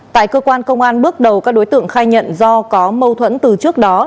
tại cơ quan công an bước đầu các đối tượng khai nhận do có mâu thuẫn từ trước đó